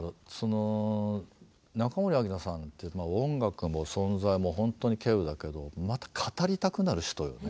中森明菜さんって音楽も存在もほんとに希有だけどまた語りたくなる人よね。